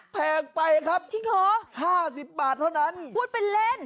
แพงไปครับจริงเหรอห้าสิบบาทเท่านั้นพูดเป็นเล่น